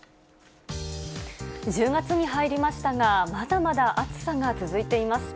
１０月に入りましたが、まだまだ暑さが続いています。